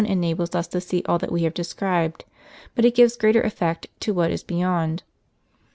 enables us to see all that we have described ; but it gives greater effect to what is beyond.